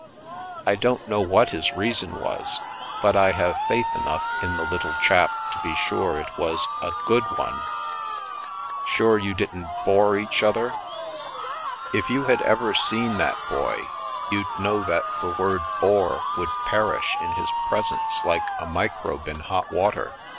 " I don't know what his reason was, but I have faith enough in the little chap to be sure it was a good one!' " Sure you didn't bore each other? "" If you had ever seen that boy, you'd know that the word ' bore ' would perish in his presence like a microbe in hot water.